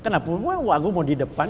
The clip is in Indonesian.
kenapa wagub mau di depan